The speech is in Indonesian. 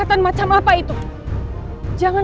aman atu aman